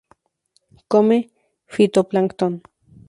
Come fitoplancton.